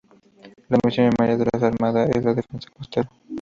La misión primaria de la Armada, es la defensa costera.